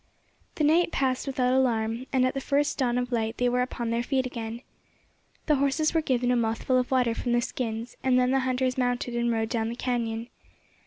The night passed without alarm, and at the first dawn of light they were upon their feet again. The horses were given a mouthful of water from the skins, and then the hunters mounted and rode down the cañon.